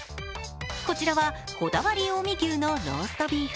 こちらはこだわり近江牛のローストビーフ。